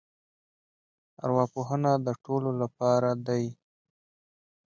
ارواپوهنه د ټولو لپاره دی.